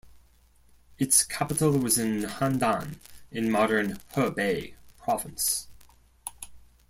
Its capital was Handan, in modern Hebei Province.